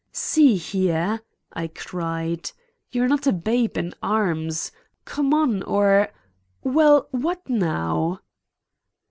"See here!" I cried, "you're not a babe in arms. Come on or— Well, what now?"